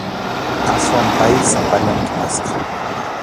Aswan pay sapallan tumasqa.